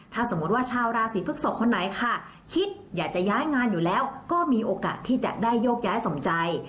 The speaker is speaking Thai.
ถ้าสมมุติว่าชาวราศีพฤกษกคนไหนค่ะคิดอยากจะย้ายงานอยู่แล้วก็มีโอกาสที่จะได้โยกย้ายสมใจ